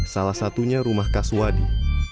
salah satunya rumah kasuwadi